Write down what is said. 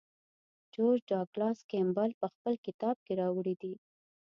جورج ډاګلاس کیمبل په خپل کتاب کې راوړی دی.